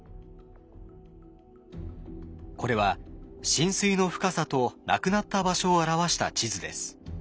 これは浸水の深さと亡くなった場所を表した地図です。